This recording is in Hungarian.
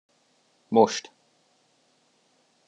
Most!